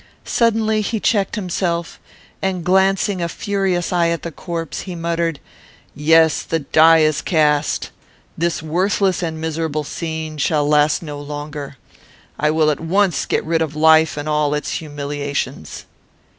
Suddenly he checked himself, and, glancing a furious eye at the corpse, he muttered, "Yes, the die is cast. This worthless and miserable scene shall last no longer. I will at once get rid of life and all its humiliations."